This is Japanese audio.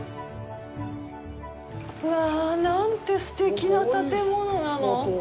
うわあ、何てすてきな建物なの。